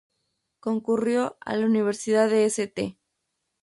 Concurrió a la Universidad de St.